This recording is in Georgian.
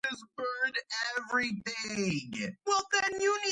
მექსიკის მთიანეთის ჩრდილოეთ ნაწილში.